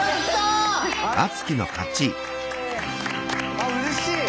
あうれしい！